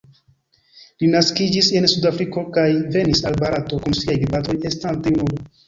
Li naskiĝis en Sudafriko kaj venis al Barato kun siaj gepatroj estante junulo.